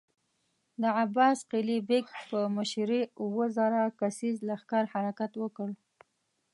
د عباس قلي بېګ په مشری اووه زره کسيز لښکر حرکت وکړ.